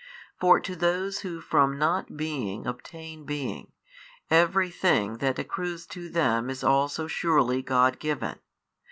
for to those who from not being obtain being, every thing that accrues to them is also surely God given.